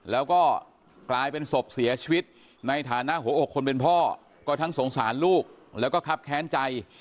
แล้วก็กลายเป็นศพเสียชีวิตในฐานะหัวอกคนเป็นพ่อก็ทั้งสงสารลูกแล้วก็ครับแค้นใจ